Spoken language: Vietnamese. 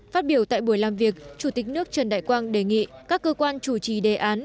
phát biểu tại buổi làm việc chủ tịch nước trần đại quang đề nghị các cơ quan chủ trì đề án